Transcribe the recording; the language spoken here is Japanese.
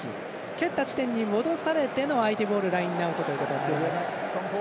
蹴った地点に戻されてのラインアウトとなります。